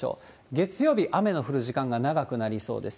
月曜日、雨の降る時間が長くなりそうです。